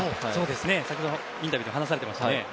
先ほどのインタビューで話されていましたね。